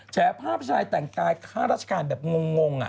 แฉภาพชายแต่งกายค่าราชการแบบงง